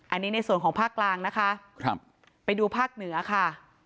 อันนี้ในส่วนของภาคกลางนะคะครับไปดูภาคเหนือค่ะ